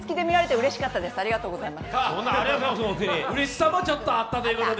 うれしさもちょっとあったということで。